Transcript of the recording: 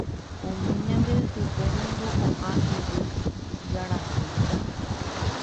Umi ñande ypykue niko koʼã yvy jarakue.